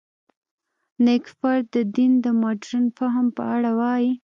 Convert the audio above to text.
نېکفر د دین د مډرن فهم په اړه وايي.